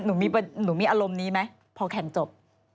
หนูมีอารมณ์นี้ไหมพอแข่งจบ